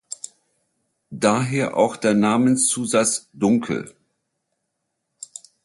Daher auch der Namenszusatz „Dunkel“.